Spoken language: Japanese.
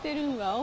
お。